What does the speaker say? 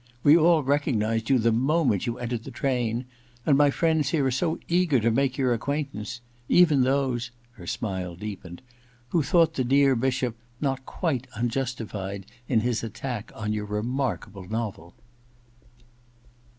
We all recognized you the moment you entered the train, and my friends here are so eager to make your acquaintance — even those' — her smile deepened — *who thought the dear Bishop not quite unjustified in his attack on your remarkable novel.'